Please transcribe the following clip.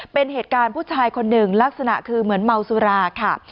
เป็นเหตุการณ์ผู้ชายคนหนึ่งลักษณะคือเหมือนเมาสุราค่ะ